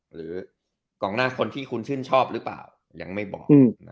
หรือกองหน้าคนที่คุณชื่นชอบหรือเปล่ายังไม่บอก